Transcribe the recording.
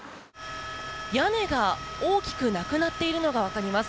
屋根が大きくなくなっているのがわかります。